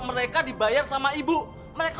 mereka dibayar sama ibu mereka